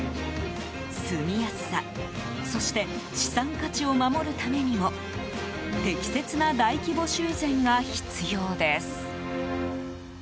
住みやすさ、そして資産価値を守るためにも適切な大規模修繕が必要です。